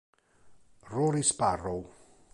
Rory Sparrow